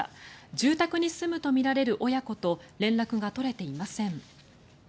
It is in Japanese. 住宅に住むとみられる親子と連絡が取れていません。